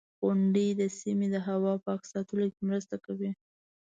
• غونډۍ د سیمې د هوا پاک ساتلو کې مرسته کوي.